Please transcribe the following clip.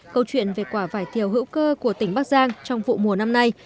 câu chuyện về quả vải thiều hữu cơ của tỉnh bắc giang trong vụ mùa năm nay